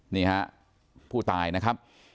นี่ฮะผู้ตายนะครับ